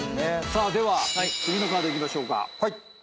さあでは次のカードいきましょうか。